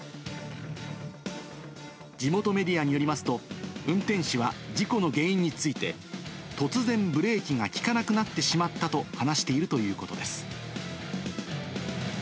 地元メディアによりますと、運転手は事故の原因について、突然ブレーキが利かなくなってしまったと話しているということです。